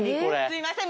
すいません